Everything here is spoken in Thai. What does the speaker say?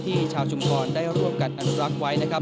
ชาวชุมพรได้ร่วมกันอนุรักษ์ไว้นะครับ